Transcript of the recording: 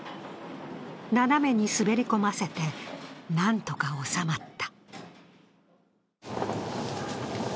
斜めに滑り込ませて、何とか収まった。